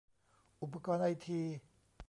อุปกรณ์ไอที